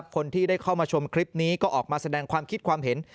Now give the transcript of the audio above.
คนที่ได้เข้ามาชมคลิปนี้ก็ออกมาแสดงความคิดความเห็น